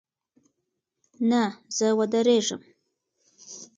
نه، زه ودریږم